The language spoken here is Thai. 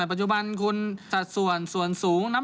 พอพูดเรื่องคู่นี้ก็ดูซอฟต์เลยเนอะ